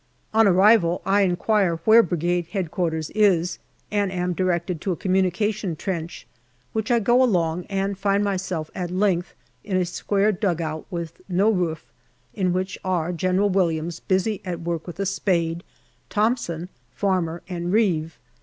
On arrival, I inquire where Brigade H.Q. is, and am directed to a communication trench, which I go along and find myself at length in a square dugout with no roof, in which are General Williams, busy at work with a spade, Thomson, Farmer, and Reave.